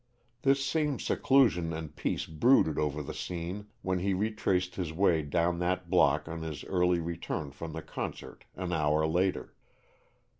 This same seclusion and peace brooded over the scene when he retraced his way down that block on his early return from the concert an hour later.